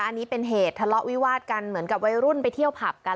อันนี้เป็นเหตุทะเลาะวิวาดกันเหมือนกับวัยรุ่นไปเที่ยวผับกัน